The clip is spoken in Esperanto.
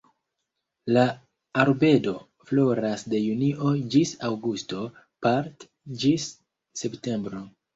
La arbedo floras de junio ĝis aŭgusto, part ĝis septembro.